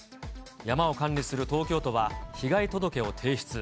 山を管理する東京都は、被害届を提出。